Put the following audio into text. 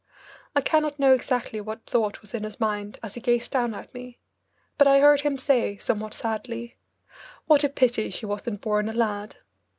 I cannot know exactly what thought was in his mind as he gazed down at me, but I heard him say, somewhat sadly, "What a pity she wasn't born a lad."